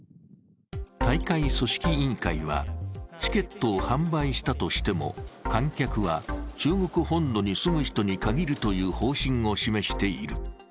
大会組織委員会は、チケットを販売したとしても観客は中国本土に住む人に限るという方針を示している。